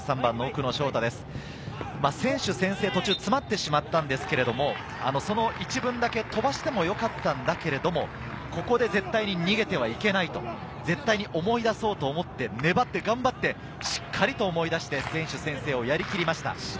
選手宣誓、途中、詰まってしまったんですが、その１文だけ飛ばしてもよかったんだけれども、ここで絶対に逃げてはいけないと、絶対に思い出そうと思って、粘って、頑張って、しっかり思い出して選手宣誓をやりきりました。